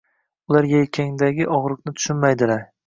Ular yelkangdagi og‘riqni tushunmaydilar.